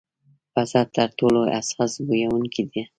پزه تر ټولو حساس بویونکې ده.